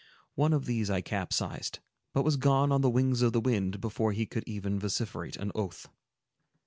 One of these I capsized, but was gone on the wings of the wind before he could even vociferate an oath.